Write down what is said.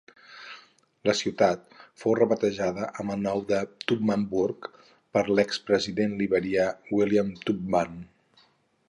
La ciutat fou rebatejada amb el nom de Tubmanburg per l'expresident liberià William Tubman.